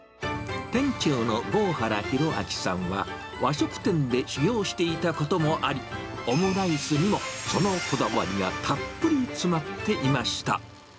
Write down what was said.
店長の合原ひろあきさんは、和食店で修業していたこともあり、オムライスにもそのこだわりがたっぷり詰まっていました。